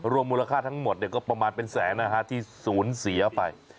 มูลค่าทั้งหมดก็ประมาณเป็นแสนที่ศูนย์เสียไป